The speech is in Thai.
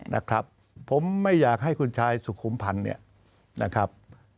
นะครับผมไม่อยากให้คุณชายสุขุมพันธ์เนี่ยนะครับ